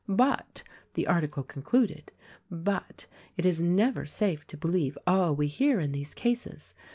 "But," the article concluded, "But, it is never safe to believe all we hear in these cases.